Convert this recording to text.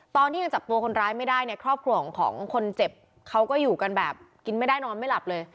ตอนที่ยังจับตัวคนร้ายไม่ได้เนี่ยครอบครัวของคนเจ็บเขาก็อยู่กันแบบกินไม่ได้นอนไม่หลับเลย